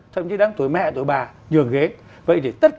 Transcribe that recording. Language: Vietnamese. thậm chí đáng tuổi mẹ tuổi bà nhường ghế